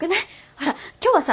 ほら今日はさ